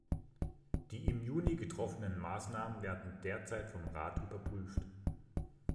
Die im Juni getroffenen Maßnahmen werden derzeit vom Rat überprüft.